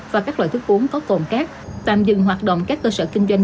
và các loại thức uống có cồn cát tạm dừng hoạt động các cơ sở kinh doanh